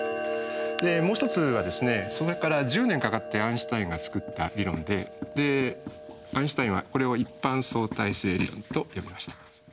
でもう一つはそれから１０年かかってアインシュタインが作った理論でアインシュタインはこれを「一般相対性理論」と呼びました。